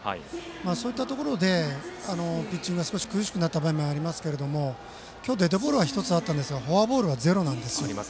そういったところでピッチングが少し苦しくなった場面はありましたが今日、デッドボールが１つあったんですがフォアボールがゼロなんですね。